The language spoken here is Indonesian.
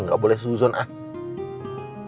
enggak boleh susun angin